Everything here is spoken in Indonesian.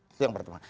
itu yang pertama